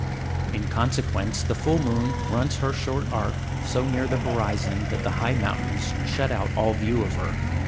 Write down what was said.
In consequence, the full moon runs her short arc so near the horizon that the high mountains shut out all view of her.